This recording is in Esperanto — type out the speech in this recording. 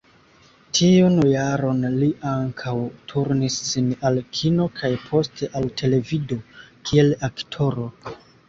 Tiun jaron li ankaŭ turnis sin al kino kaj poste al televido kiel aktoro.